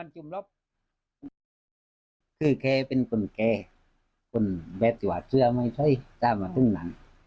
คือเคเป็นคนเคคนแบบสิวาเชื้อไม่ใช่เจ้ามาซึ่งนั้น